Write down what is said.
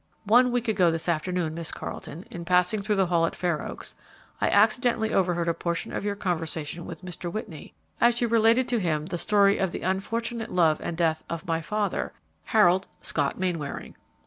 One week ago this afternoon, Miss Carleton, in passing through the hall at Fair Oaks, I accidentally overheard a portion of your conversation with Mr. Whitney, as you related to him the story of the unfortunate love and death of my father, Harold Scott Mainwaring."